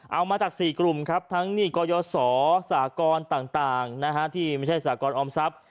เอามาจาก๔กลุ่มครับทั้งหนี้กยศสากรต่างที่ไม่ใช่สากรออมทรัพย์